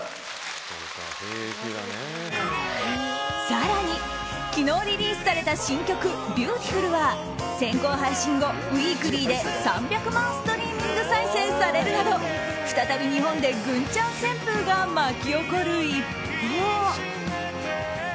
更に昨日リリースされた新曲「Ｂｅａｕｔｉｆｕｌ」は先行配信後、ウィークリーで３００万ストリーミング再生されるなど再び日本でグンちゃん旋風が巻き起こる一方。